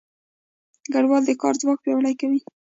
کډوال د کار ځواک پیاوړی کوي.